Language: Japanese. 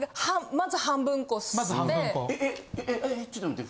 まず半分こして。